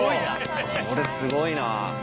これすごいな。